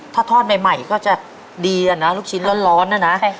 ถ้าทอดใหม่ก็จะดีอะนะลูกชิ้นร้อนนะนะ